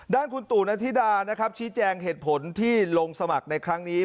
ด้านคุณตู่นันธิดานะครับชี้แจงเหตุผลที่ลงสมัครในครั้งนี้